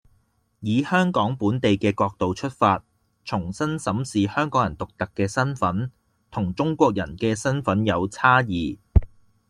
以香港本地嘅角度出發，重新審視香港人獨特嘅身份，同中國人嘅身份有差異